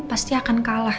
pasti akan kalah